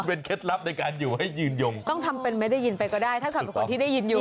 เป็นเคล็ดลับในการอยู่ให้ยืนยงต้องทำเป็นไม่ได้ยินไปก็ได้ถ้าสอบทุกคนที่ได้ยินอยู่